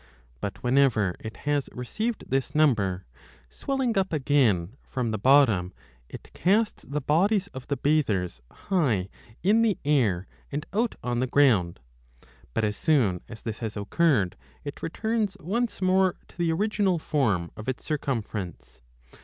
5 But whenever it has received this number, swelling up again from the bottom it casts the bodies of the bathers high in the air and out on the ground ; but, as soon as this has occurred, it returns once more to the original form of its circumference.